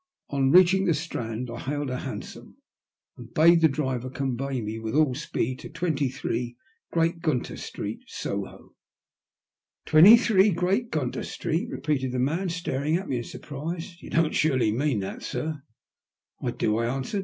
On reaching the Strand I hailed a hansom and bade the driver convey me with all speed to 23, Great Gunter Street, Soho. " Twenty three, Great Gunter Street?" repeated the man, staring at me in surprise. *'You don't surely mean that, sir?" " I do," I answered.